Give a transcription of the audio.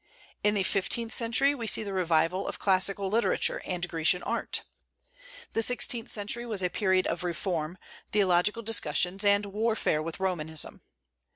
In the fifteenth century we see the revival of classical literature and Grecian art. The sixteenth century was a period of reform, theological discussions, and warfare with Romanism.